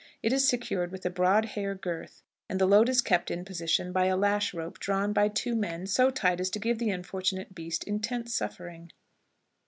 It is secured with a broad hair girth, and the load is kept in position by a lash rope drawn by two men so tight as to give the unfortunate beast intense suffering.